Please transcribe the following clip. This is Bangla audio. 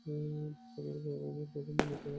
তোমার বাবা-মার কথা মনে পড়ে?